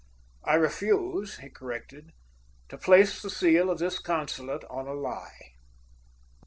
"I refuse," he corrected, "to place the seal of this consulate on a lie."